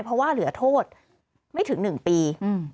เพราะว่าเหลือโทษไม่ถึง๑ปี